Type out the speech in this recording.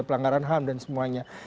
pelanggaran ham dan semuanya